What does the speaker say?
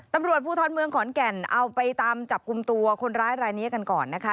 ตำรวจภูทรเมืองขอนแก่นเอาไปตามจับกลุ่มตัวคนร้ายรายนี้กันก่อนนะคะ